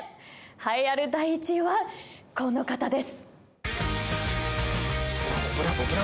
栄えある第１位はこの方です。